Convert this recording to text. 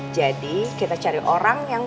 jadi kita cari orang yang pun